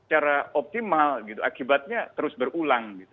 secara optimal gitu akibatnya terus berulang gitu